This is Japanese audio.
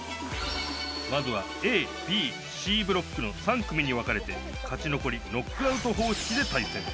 まずはＡ、Ｂ、Ｃブロックの３組に別れて勝ち残りノックアウト方式で対戦。